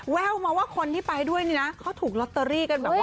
แววมาว่าคนที่ไปด้วยนี่นะเขาถูกลอตเตอรี่กันแบบนี้